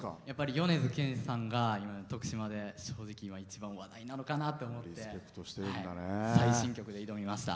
米津玄師さんが、徳島で一番話題なのかなと思って最新曲で挑みました。